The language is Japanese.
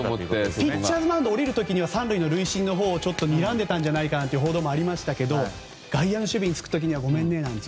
ピッチャーマウンドを降りるときには３塁塁審をちょっとにらんでたんじゃないかなんて報道もありましたけど外野の守備につく時にはごめんねなんて。